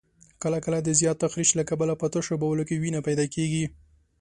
کله کله د زیات تخریش له کبله په تشو بولو کې وینه پیدا کېږي.